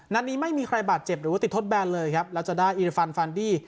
นัดนี้ไม่มีใครบาดเจ็บหรือว่าติดทดแบนเลยครับแล้วจะได้อิริฟันฟานดี้